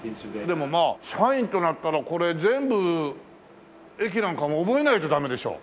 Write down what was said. でもまあ社員となったらこれ全部駅なんかも覚えないとダメでしょ？